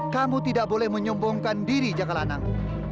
kamu tidak boleh menyembongkan diri jakalanang